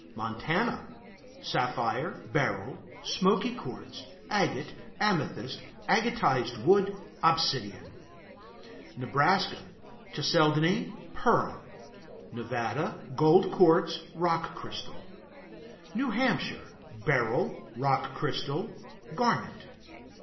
Montana Sapphire, beryl, smoky quartz, agate, amethyst, agatized wood, obsidian. Nebraska Chalcedony, pearl. Nevada Gold quartz, rock crystal. New Hampshire Beryl, rock crystal, garnet.